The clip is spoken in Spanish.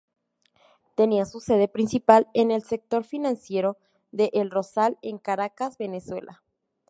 Tenía su sede principal en el sector financiero de El Rosal en Caracas, Venezuela.